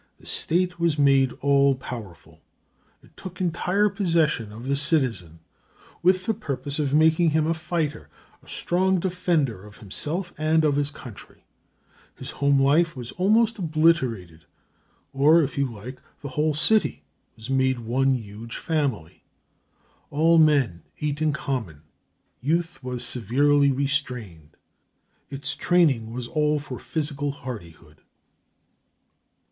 The state was made all powerful; it took entire possession of the citizen, with the purpose of making him a fighter, a strong defender of himself and of his country. His home life was almost obliterated, or, if you like, the whole city was made one huge family. All men ate in common; youth was severely restrained; its training was all for physical hardihood.